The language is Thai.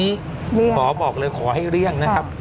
เลี่ยงแล้วเรียกขอบอกเลยขอให้เลี่ยงนะครับ